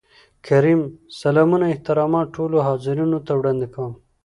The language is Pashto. کريم : سلامونه احترامات ټولو حاضرينو ته وړاندې کوم.